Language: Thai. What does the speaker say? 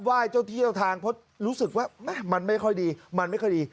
เจ้าเที่ยวทางเพราะรู้สึกว่ามันไม่ค่อยดีมันไม่ค่อยดี